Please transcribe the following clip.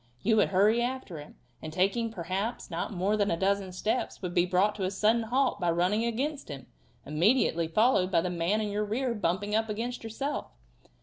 You would hurry after him, and taking, perhaps, not more than a dozen steps, would be brought to a sudden halt by running against him, immediately followed by the man in your rear bumping up against yourself.